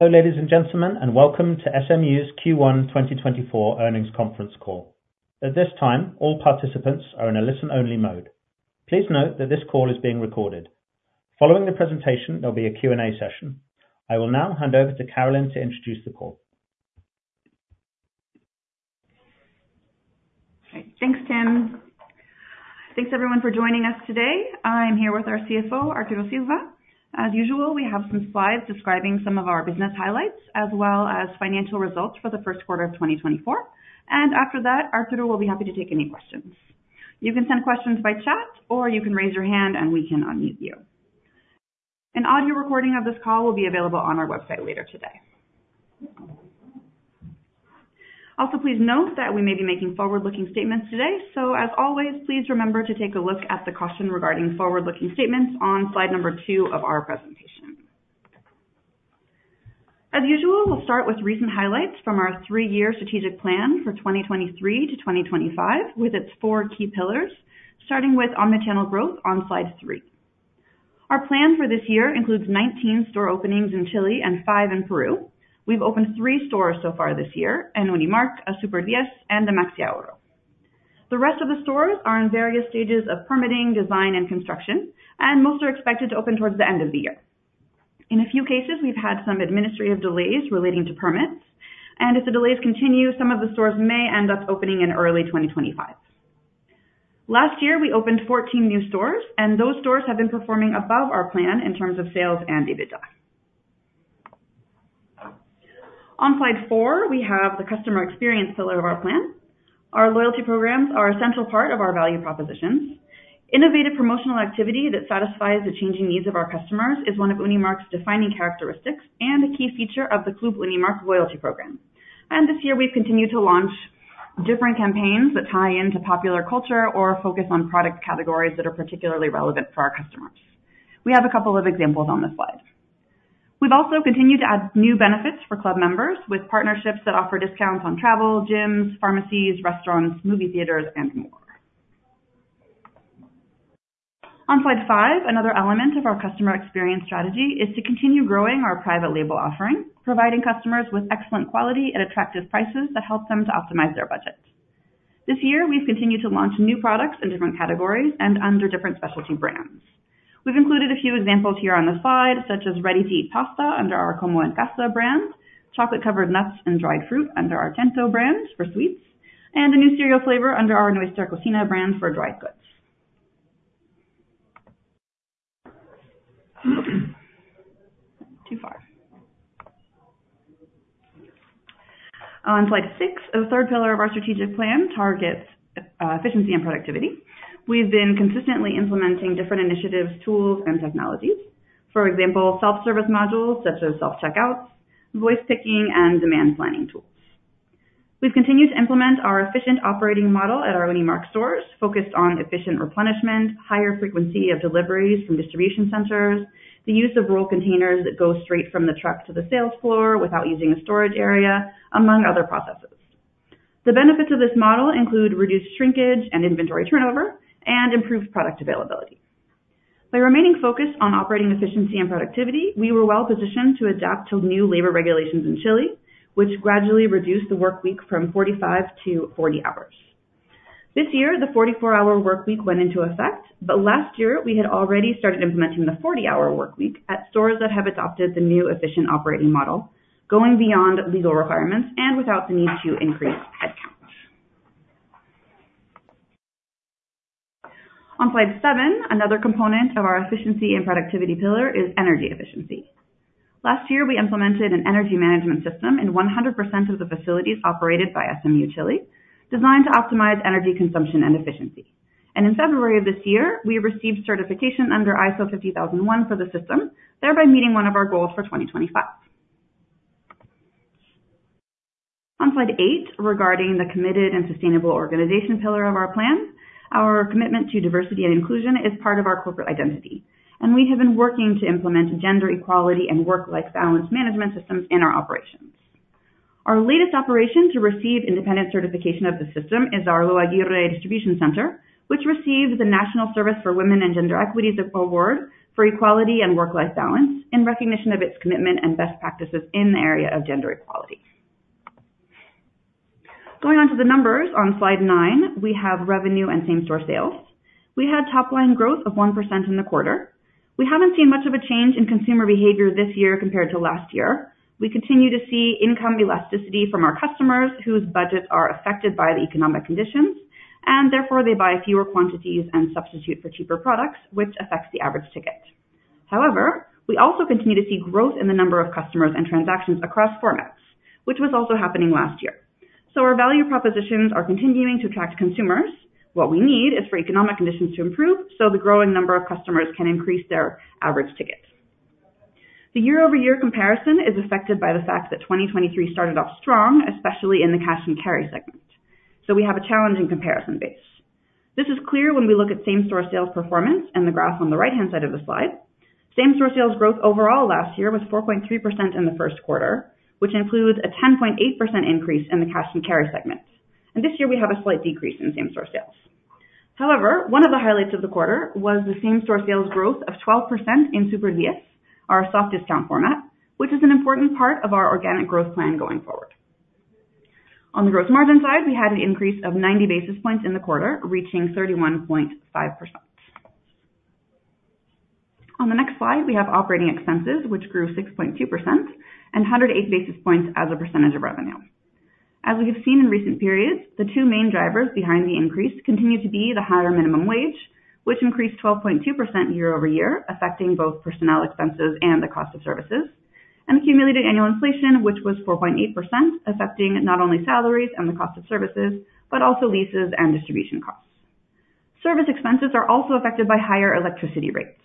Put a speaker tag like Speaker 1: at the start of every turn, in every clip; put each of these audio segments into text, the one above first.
Speaker 1: Hello, ladies and gentlemen, and welcome to SMU's First Quarter 2024 Earnings Conference Call. At this time, all participants are in a listen-only mode. Please note that this call is being recorded. Following the presentation, there'll be a Q&A session. I will now hand over to Carolyn to introduce the call.
Speaker 2: Thanks, Tim. Thanks everyone for joining us today. I'm here with our CFO, Arturo Silva. As usual, we have some slides describing some of our business highlights as well as financial results for the first quarter of 2024. After that, Arturo will be happy to take any questions. You can send questions by chat, or you can raise your hand and we can unmute you. An audio recording of this call will be available on our website later today. Also, please note that we may be making forward-looking statements today. As always, please remember to take a look at the caution regarding forward-looking statements on slide number two of our presentation. As usual, we'll start with recent highlights from our three-year strategic plan for 2023 to 2025, with its four key pillars, starting with omni-channel growth on slide three. Our plan for this year includes 19 store openings in Chile and five in Peru. We've opened three stores so far this year, an Unimarc, a Super 10, and a MaxiAhorro. The rest of the stores are in various stages of permitting, design, and construction, and most are expected to open towards the end of the year. In a few cases, we've had some administrative delays relating to permits, and if the delays continue, some of the stores may end up opening in early 2025. Last year, we opened 14 new stores, and those stores have been performing above our plan in terms of sales and EBITDA. On slide four, we have the customer experience pillar of our plan. Our loyalty programs are an essential part of our value propositions. Innovative promotional activity that satisfies the changing needs of our customers is one of Unimarc's defining characteristics and a key feature of the Club Unimarc loyalty program. This year we've continued to launch different campaigns that tie into popular culture or focus on product categories that are particularly relevant for our customers. We have a couple of examples on this slide. We've also continued to add new benefits for club members with partnerships that offer discounts on travel, gyms, pharmacies, restaurants, movie theaters and more. On slide five, another element of our customer experience strategy is to continue growing our private label offering, providing customers with excellent quality at attractive prices that help them to optimize their budget. This year, we've continued to launch new products in different categories and under different specialty brands. We've included a few examples here on the slide, such as ready-to-eat pasta under our Como en Casa brand, chocolate-covered nuts and dried fruit under our Tento brand for sweets, and a new cereal flavor under our Nuestra Cocina brand for dried goods. Too far. On slide six, the third pillar of our strategic plan targets efficiency and productivity. We've been consistently implementing different initiatives, tools and technologies. For example, self-service modules such as self-checkouts, voice picking, and demand planning tools. We've continued to implement our efficient operating model at our Unimarc stores, focused on efficient replenishment, higher frequency of deliveries from distribution centers, the use of rural containers that go straight from the truck to the sales floor without using a storage area, among other processes. The benefits of this model include reduced shrinkage and inventory turnover and improved product availability. By remaining focused on operating efficiency and productivity, we were well positioned to adapt to new labor regulations in Chile, which gradually reduced the workweek from 45 to 40 hours. This year, the 44-hour workweek went into effect. Last year we had already started implementing the 40-hour workweek at stores that have adopted the new efficient operating model, going beyond legal requirements and without the need to increase headcount. On slide seven, another component of our efficiency and productivity pillar is energy efficiency. Last year, we implemented an energy management system in 100% of the facilities operated by SMU Chile designed to optimize energy consumption and efficiency. In February of this year, we received certification under ISO 50001 for the system, thereby meeting one of our goals for 2025. On slide eight, regarding the committed and sustainable organization pillar of our plan, our commitment to diversity and inclusion is part of our corporate identity, and we have been working to implement gender equality and work-life balance management systems in our operations. Our latest operation to receive independent certification of the system is our Lo Aguirre distribution center, which receives the National Service for Women and Gender Equity Award for equality and work-life balance in recognition of its commitment and best practices in the area of gender equality. Going on to the numbers on slide nine, we have revenue and same-store sales. We had top line growth of 1% in the quarter. We haven't seen much of a change in consumer behavior this year compared to last year. We continue to see income elasticity from our customers whose budgets are affected by the economic conditions and therefore they buy fewer quantities and substitute for cheaper products, which affects the average ticket. However, we also continue to see growth in the number of customers and transactions across formats, which was also happening last year. Our value propositions are continuing to attract consumers. What we need is for economic conditions to improve so the growing number of customers can increase their average ticket. The year-over-year comparison is affected by the fact that 2023 started off strong, especially in the cash and carry segment. We have a challenging comparison base. This is clear when we look at same-store sales performance and the graph on the right-hand side of the slide. Same-store sales growth overall last year was 4.3% in the first quarter, which includes a 10.8% increase in the cash and carry segment. This year we have a slight decrease in same-store sales. However, one of the highlights of the quarter was the same-store sales growth of 12% in Super 10, our soft discount format, which is an important part of our organic growth plan going forward. On the gross margin side, we had an increase of 90-basis points in the quarter, reaching 31.5%. On the next slide, we have operating expenses, which grew 6.2% and 108-basis points as a percentage of revenue. As we have seen in recent periods, the two main drivers behind the increase continue to be the higher minimum wage, which increased 12.2% year-over-year, affecting both personnel expenses and the cost of services, and accumulated annual inflation, which was 4.8%, affecting not only salaries and the cost of services, but also leases and distribution costs. Service expenses are also affected by higher electricity rates.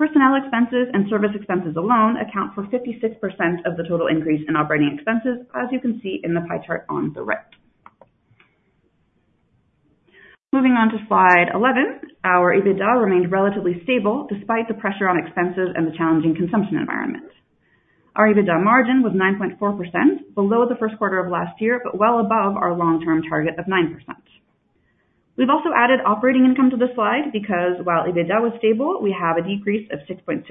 Speaker 2: Personnel expenses and service expenses alone account for 56% of the total increase in operating expenses, as you can see in the pie chart on the right. Moving on to slide 11. Our EBITDA remained relatively stable despite the pressure on expenses and the challenging consumption environment. Our EBITDA margin was 9.4% below the first quarter of last year, but well above our long-term target of 9%. We've also added operating income to the slide because while EBITDA was stable, we have a decrease of 6.6%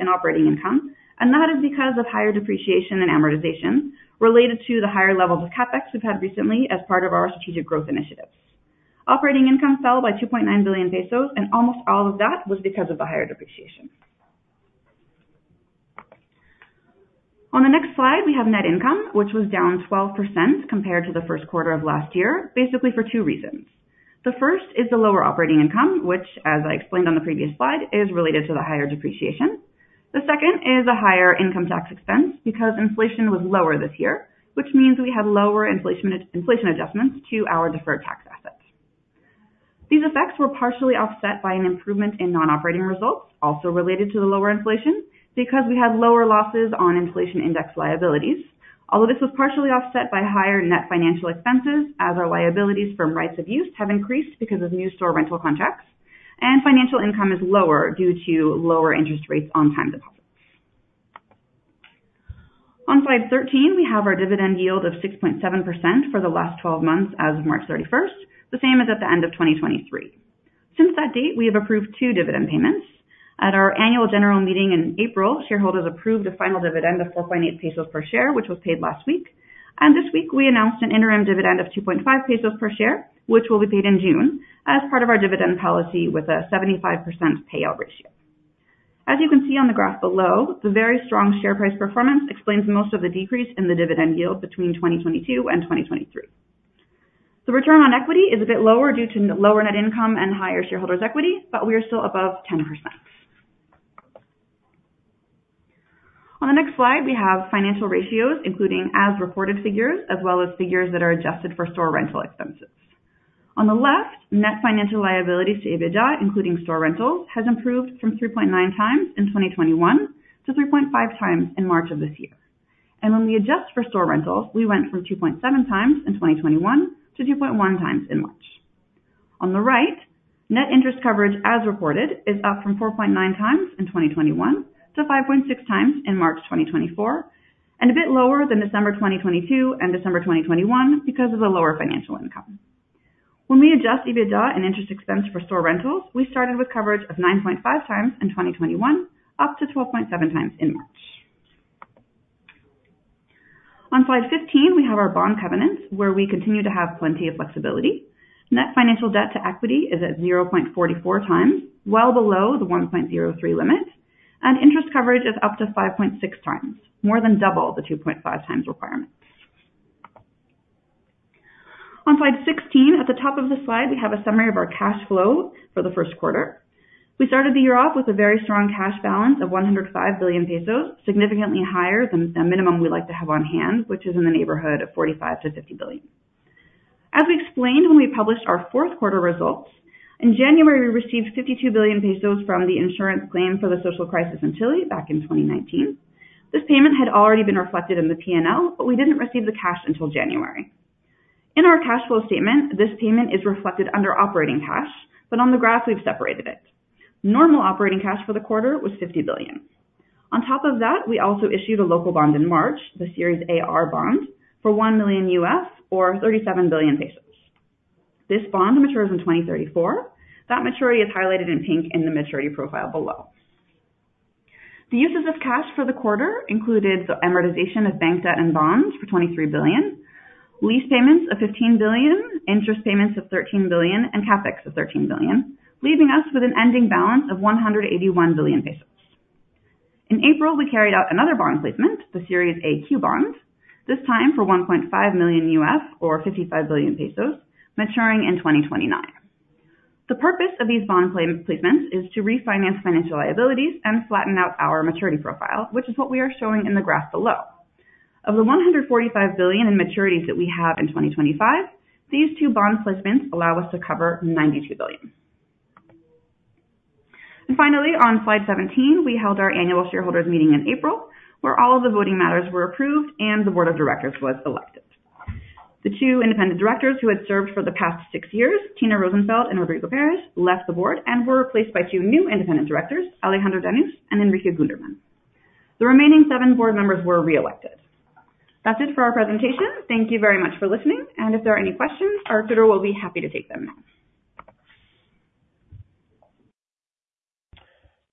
Speaker 2: in operating income, and that is because of higher depreciation and amortization related to the higher levels of CapEx we've had recently as part of our strategic growth initiatives. Operating income fell by 2.9 billion pesos, and almost all of that was because of the higher depreciation. On the next slide, we have net income, which was down 12% compared to the first quarter of last year, basically for two reasons. The first is the lower operating income, which, as I explained on the previous slide, is related to the higher depreciation. The second is a higher income tax expense because inflation was lower this year, which means we have lower inflation adjustments to our deferred tax assets. These effects were partially offset by an improvement in non-operating results, also related to the lower inflation, because we had lower losses on inflation index liabilities. Although this was partially offset by higher net financial expenses, as our liabilities from rights of use have increased because of new store rental contracts, and financial income is lower due to lower interest rates on time deposits. On slide 13, we have our dividend yield of 6.7% for the last 12 months as of 31 March 2024, the same as at the end of 2023. Since that date, we have approved two dividend payments. At our annual general meeting in April, shareholders approved a final dividend of 4.8 pesos per share, which was paid last week. This week we announced an interim dividend of 2.5 pesos per share, which will be paid in June as part of our dividend policy with a 75% payout ratio. As you can see on the graph below, the very strong share price performance explains most of the decrease in the dividend yield between 2022 and 2023. The return on equity is a bit lower due to lower net income and higher shareholders equity, but we are still above 10%. On the next slide, we have financial ratios, including as-reported figures as well as figures that are adjusted for store rental expenses. On the left, net financial liabilities to EBITDA, including store rentals, has improved from 3.9x in 2021 to 3.5x in March of this year. When we adjust for store rentals, we went from 2.7x in 2021 to 2.1x in March. On the right, net interest coverage as reported is up from 4.9x in 2021 to 5.6x in March 2024, and a bit lower than December 2022 and December 2021 because of the lower financial income. When we adjust EBITDA and interest expense for store rentals, we started with coverage of 9.5x in 2021 up to 12.7x in March. On slide 15, we have our bond covenants, where we continue to have plenty of flexibility. Net financial debt to equity is at 0.44x, well below the 1.03x limit, and interest coverage is up to 5.6x, more than double the 2.5x requirement. On slide 16, at the top of the slide, we have a summary of our cash flow for the first quarter. We started the year off with a very strong cash balance of 105 billion pesos, significantly higher than the minimum we like to have on hand, which is in the neighborhood of 45 to 50 billion. We explained when we published our fourth quarter results, in January, we received 52 billion pesos from the insurance claim for the social crisis in Chile back in 2019. This payment had already been reflected in the P&L, but we didn't receive the cash until January. In our cash flow statement, this payment is reflected under operating cash, but on the graph we've separated it. Normal operating cash for the quarter was 50 billion. On top of that, we also issued a local bond in March, the Series AR bond, for $1 million or 37 billion pesos. This bond matures in 2034. That maturity is highlighted in pink in the maturity profile below. The uses of cash for the quarter included the amortization of bank debt and bonds for 23 billion, lease payments of 15 billion, interest payments of 13 billion, and CapEx of 13 billion, leaving us with an ending balance of 181 billion pesos. In April, we carried out another bond placement, the Series AQ bond, this time for $1.5 million or 55 billion pesos maturing in 2029. The purpose of these bond placements is to refinance financial liabilities and flatten out our maturity profile, which is what we are showing in the graph below. Of the 145 billion in maturities that we have in 2025, these two bond placements allow us to cover 92 billion. Finally, on slide 17, we held our annual shareholders meeting in April, where all of the voting matters were approved and the board of directors was elected. The two independent directors who had served for the past six years, Tina Rosenfeld and Rodrigo Pérez, left the board and were replaced by two new independent directors, Alejandro Danús and Enrique Gundermann. The remaining seven board members were re-elected. That's it for our presentation. Thank you very much for listening. If there are any questions, Arturo will be happy to take them.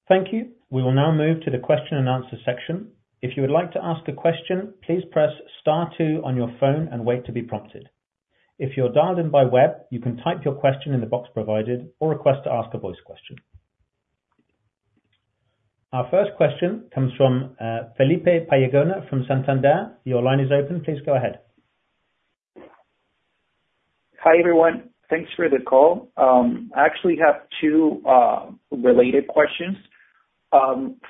Speaker 1: Thank you. We will now move to the question and answer section. If you would like to ask a question, please press star two on your phone and wait to be prompted. If you're dialed in by web, you can type your question in the box provided or request to ask a voice question. Our first question comes from Felipe Bayona from Santander. Your line is open. Please go ahead.
Speaker 3: Hi, everyone. Thanks for the call. I actually have two related questions.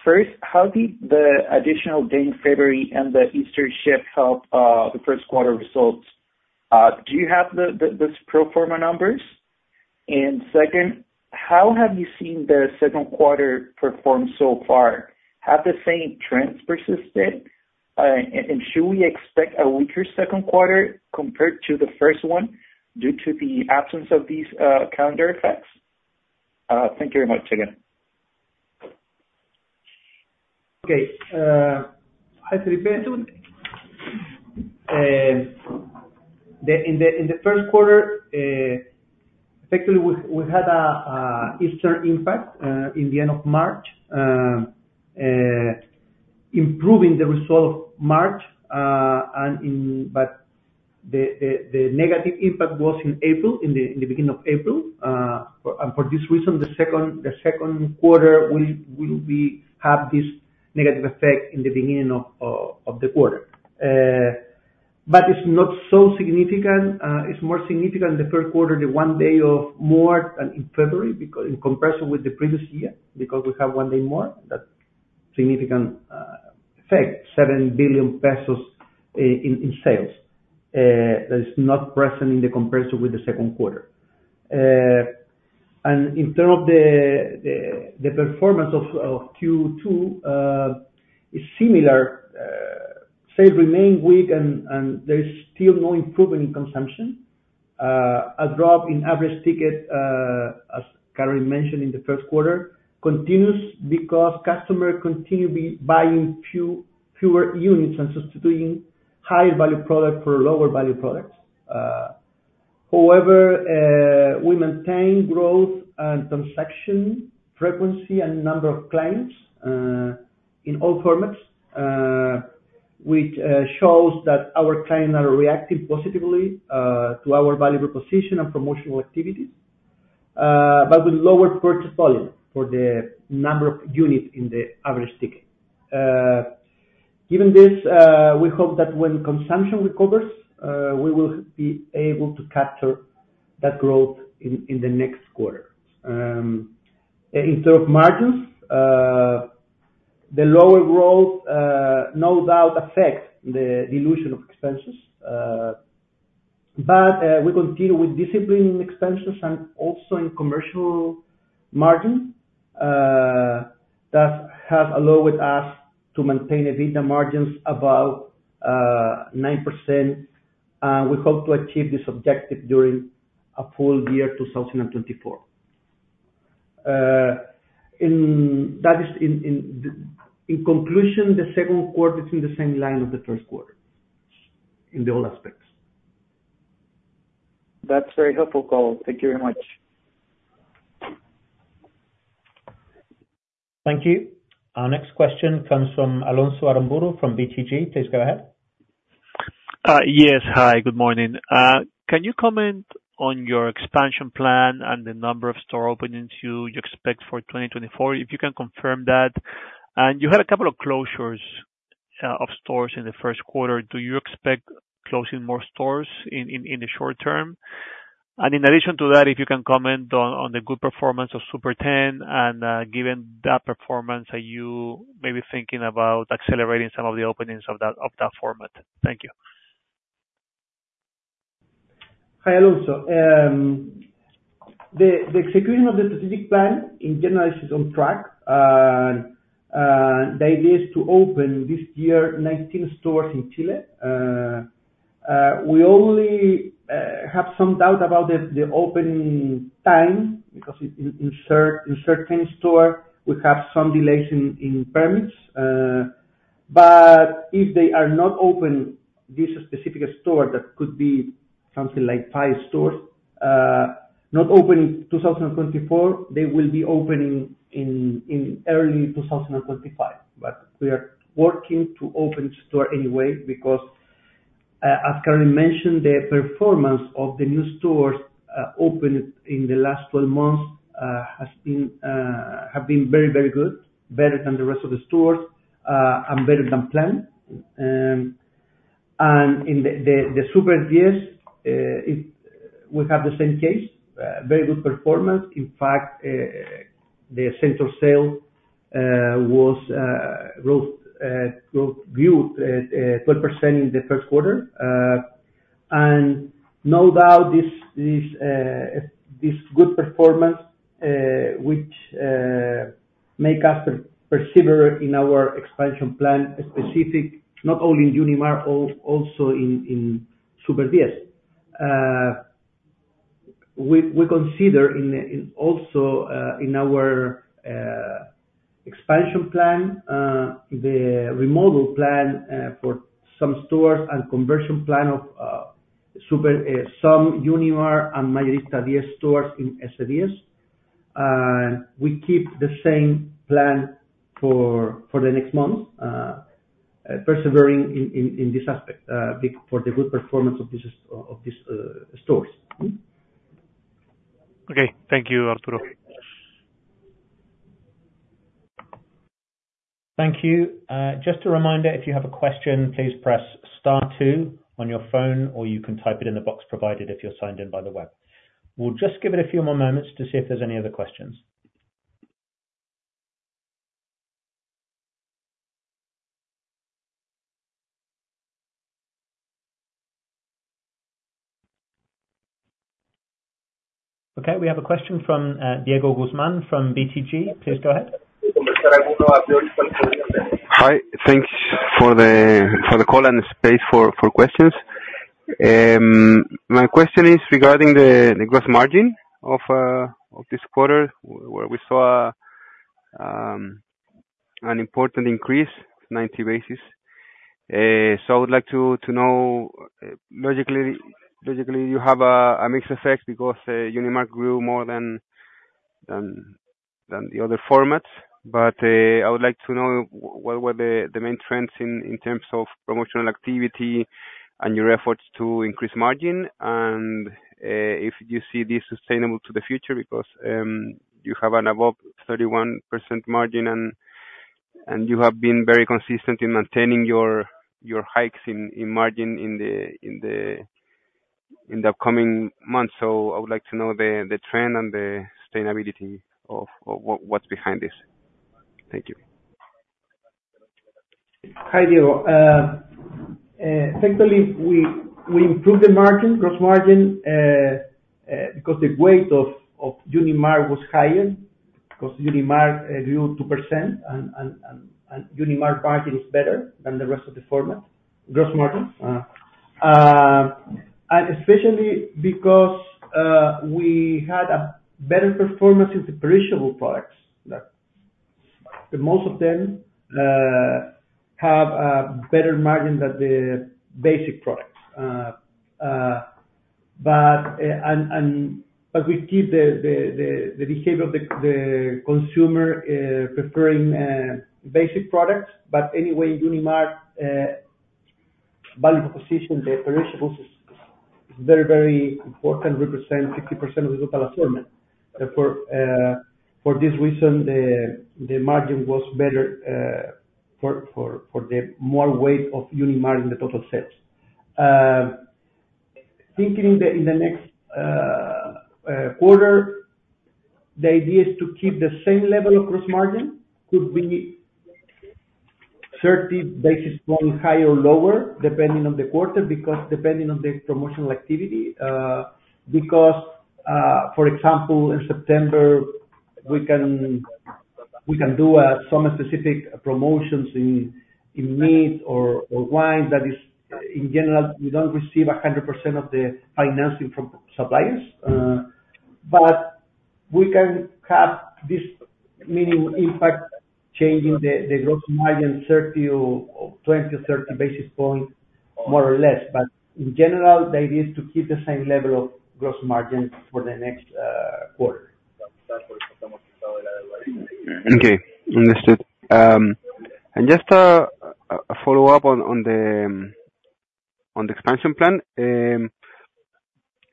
Speaker 3: First, how did the additional day in February and the Easter shift help the first quarter results? Do you have the pro forma numbers? Second, how have you seen the second quarter perform so far? Have the same trends persisted? Should we expect a weaker second quarter compared to the first one due to the absence of these calendar effects? Thank you very much again.
Speaker 4: Okay. Hi, Felipe. In the first quarter, actually, we had an Easter impact in the end of March, improving the result of March, but the negative impact was in April, in the beginning of April. For this reason, the second quarter will have this negative effect in the beginning of the quarter. But it's not so significant. It's more significant the first quarter, the one day of March than in February in comparison with the previous year, because we have one day more. That significant effect, 7 billion pesos in sales, that is not present in the comparison with the second quarter. And in terms of the performance of second quarter, is similar. Sales remain weak and there is still no improvement in consumption. A drop in average ticket, as Carolyn mentioned in the first quarter, continues because customers continue buying fewer units and substituting higher value products for lower value products. However, we maintain growth in transaction frequency and number of clients in all formats, which shows that our clients are reacting positively to our value proposition and promotional activities, but with lower purchase volume for the number of units in the average ticket. Given this, we hope that when consumption recovers, we will be able to capture that growth in the next quarter. In terms of margins, the lower growth no doubt affects the dilution of expenses. We continue with discipline in expenses and also in commercial margin that have allowed us to maintain EBITDA margins above 9%. We hope to achieve this objective during a full year 2024. In conclusion, the second quarter is in the same line of the first quarter in all aspects.
Speaker 3: That's very helpful color. Thank you very much.
Speaker 1: Thank you. Our next question comes from Alonso Aramburú from BTG. Please go ahead.
Speaker 5: Yes. Hi, good morning. Can you comment on your expansion plan and the number of store openings you expect for 2024? If you can confirm that. You had a couple of closures of stores in the first quarter. Do you expect closing more stores in the short term? In addition to that, if you can comment on the good performance of Super 10. Given that performance, are you may be thinking about accelerating some of the openings of that format? Thank you.
Speaker 4: Hi, Alonso. The execution of the strategic plan in general is on track. The idea is to open this year 19 stores in Chile. We only have some doubt about the opening time because in certain stores we have some delays in permits. If they are not open, this specific store, that could be something like five stores not opening 2024, they will be opening in early 2025. We are working to open store anyway, because as Karen mentioned, the performance of the new stores opened in the last 12 months has been very good. Better than the rest of the stores and better than planned. In the Super 10. We have the same case, very good performance. In fact, the same-store sales growth of 12% in the first quarter. No doubt this good performance, which makes us persevere in our expansion plan specifically, not only in Unimarc, also in Super 10. We consider also in our expansion plan the remodel plan for some stores and conversion plan of some Super 10, Unimarc and MaxiAhorro stores in Peru. We keep the same plan for the next month, persevering in this aspect, for the good performance of these stores.
Speaker 5: Okay. Thank you, Arturo.
Speaker 1: Thank you. Just a reminder, if you have a question, please press star two on your phone, or you can type it in the box provided if you're signed in by the web. We'll just give it a few more moments to see if there's any other questions. Okay, we have a question from Diego Guzmán from BTG. Please go ahead.
Speaker 6: Hi. Thanks for the call and the space for questions. My question is regarding the gross margin of this quarter, where we saw an important increase, 90-basis. I would like to know, logically, you have a mixed effect because Unimarc grew more than the other formats. I would like to know what were the main trends in terms of promotional activity and your efforts to increase margin and if you see this sustainable to the future because you have an above 31% margin and you have been very consistent in maintaining your hikes in margin in the upcoming months. I would like to know the trend and the sustainability of what's behind this. Thank you.
Speaker 4: Hi, Diego. Technically, we improved the margin, gross margin, because the weight of Unimarc was higher because Unimarc grew 2% and Unimarc margin is better than the rest of the format, gross margin. And especially because we had a better performance in the perishable products that most of them have a better margin than the basic products. We keep the behavior of the consumer preferring basic products, but anyway, Unimarc value proposition, the perishables is very important, represent 60% of the total assortment. For this reason, the margin was better for the more weight of Unimarc in the total sales. Thinking in the next quarter, the idea is to keep the same level of gross margin. It could be 30-basis points higher or lower depending on the promotional activity. For example, in September, we can do some specific promotions in meat or wine. In general, we don't receive 100% of the financing from suppliers. But we can have this minimum impact changing the gross margin 20 to 30-basis points more or less. In general, the idea is to keep the same level of gross margin for the next quarter.
Speaker 6: Okay. Understood. Just a follow-up on the expansion plan.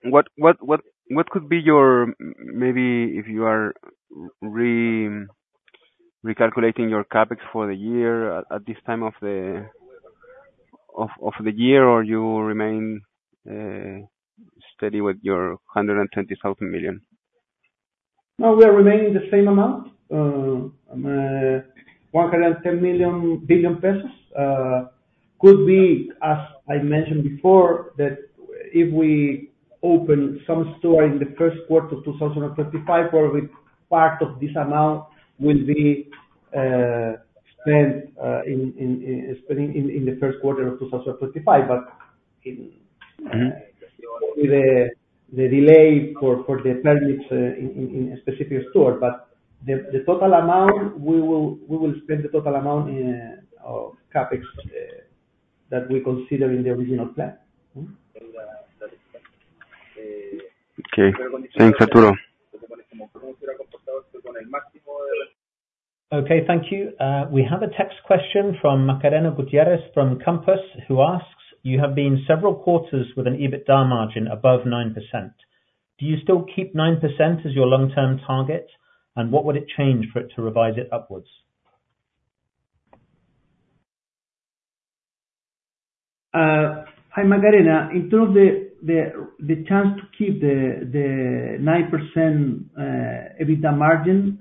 Speaker 6: What could be your maybe if you are recalculating your CapEx for the year at this time of the year or you remain steady with your 120 billion?
Speaker 4: No, we are remaining the same amount. 110 billion pesos. It could be, as I mentioned before, that if we open some store in the first quarter of 2025, probably part of this amount will be spent in the first quarter of 2025.
Speaker 6: Mm-hmm.
Speaker 4: With the delay for the permits in a specific store. The total amount we will spend, the total amount of CapEx that we consider in the original plan.
Speaker 6: Okay. Thanks, Arturo.
Speaker 1: Okay. Thank you. We have a text question from Macarena Gutiérrez from Compass who asks, you have been several quarters with an EBITDA margin above 9%. Do you still keep 9% as your long-term target? And what would it take for you to revise it upwards?
Speaker 4: Hi, Macarena. In terms of the chance to keep the 9% EBITDA margin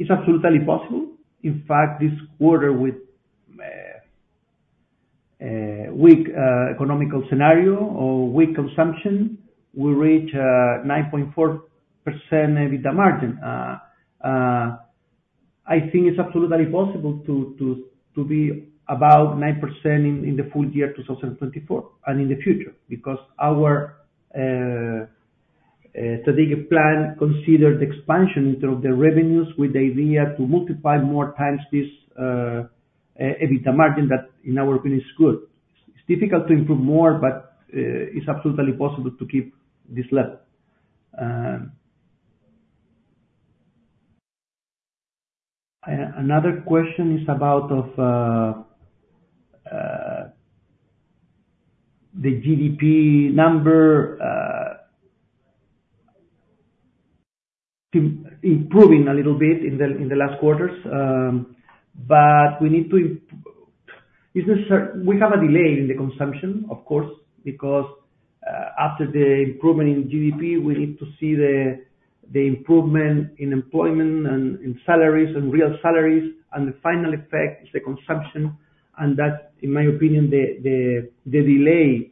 Speaker 4: is absolutely possible. In fact, this quarter with weak economic scenario or weak consumption, we reach 9.4% EBITDA margin. I think it's absolutely possible to be about 9% in the full year 2024 and in the future because our strategic plan considered expansion through the revenues with the idea to multiply more times this EBITDA margin that in our opinion is good. It's difficult to improve more, but it's absolutely possible to keep this level. Another question is about the GDP number improving a little bit in the last quarters. We have a delay in the consumption, of course, because after the improvement in GDP, we need to see the improvement in employment and in salaries and real salaries, and the final effect is the consumption, and that's, in my opinion, the delay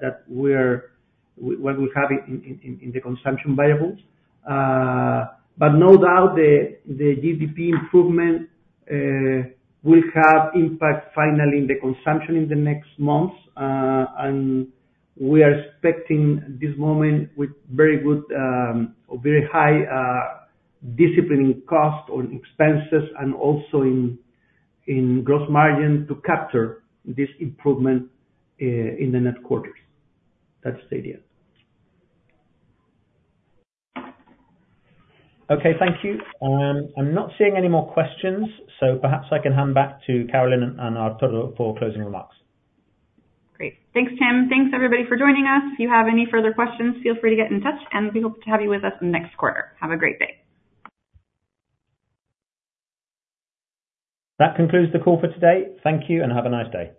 Speaker 4: that we have in the consumption variables. No doubt the GDP improvement will have impact finally in the consumption in the next months. We are expecting this moment with very good or very high discipline in cost or expenses and also in gross margin to capture this improvement in the next quarters. That's the idea.
Speaker 1: Okay. Thank you. I'm not seeing any more questions, so perhaps I can hand back to Carolyn and Arturo for closing remarks.
Speaker 2: Great. Thanks, Tim. Thanks everybody for joining us. If you have any further questions, feel free to get in touch, and we hope to have you with us next quarter. Have a great day.
Speaker 1: That concludes the call for today. Thank you, and have a nice day.